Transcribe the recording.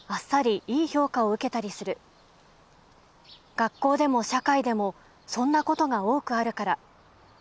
学校でも社会でもそんな事が多くあるから。